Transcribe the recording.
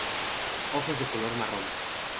Ojos de color marrón.